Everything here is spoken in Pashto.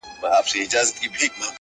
د پامیر لوري یه د ښکلي اریانا لوري ـ